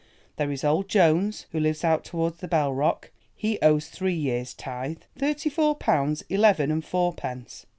There is old Jones who lives out towards the Bell Rock, he owes three years' tithe—thirty four pounds eleven and fourpence.